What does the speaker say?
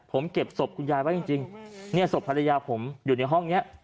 ผมเก็บศพคุณยายไว้จริงเนี่ยศพภรรยาผมอยู่ในห้องนี้